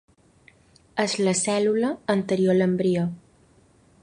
És la cèl·lula anterior a l'embrió.